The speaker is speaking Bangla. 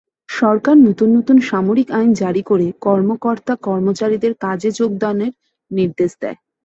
সরকার নতুন নতুন সামরিক আইন জারি করে কর্মকর্তা-কর্মচারীদের কাজে যোগদানের নির্দেশ দেয়।